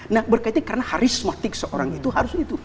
nah berkaitan karena harismatik seorang itu harus itu